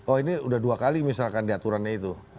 oh ini udah dua kali misalkan diaturannya itu